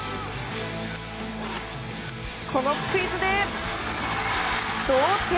このスクイズで同点。